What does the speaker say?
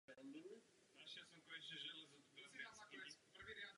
Od tohoto roku už také začalo vyučování při několika klášterech a při katedrále.